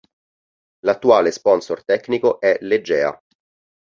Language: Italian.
L'attuale sponsor tecnico è Legea.